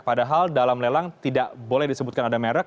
padahal dalam lelang tidak boleh disebutkan ada merek